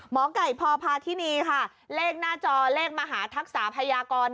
หมอไก่พอพาที่นี่เลขหน้าจอเลขมหาธักษาพญากร